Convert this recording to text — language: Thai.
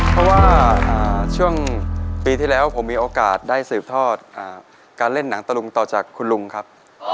เพราะว่าช่วงปีที่แล้วผมมีโอกาสได้สืบทอดการเล่นหนังตะลุงต่อจากคุณลุงครับ